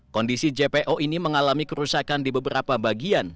kondisi jpo ini mengalami kerusakan di beberapa bagian